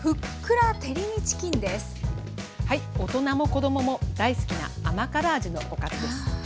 はい大人も子どもも大好きな甘辛味のおかずです。